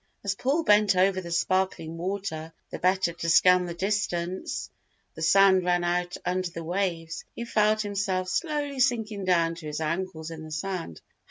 As Paul bent over the sparkling water the better to scan the distance the sand ran out under the waves, he felt himself slowly sinking down to his ankles in the sand.